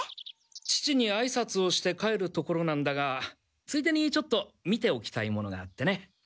父にあいさつをして帰るところなんだがついでにちょっと見ておきたいものがあってね。